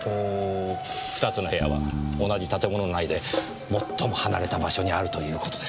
２つの部屋は同じ建物内で最も離れた場所にあるという事です。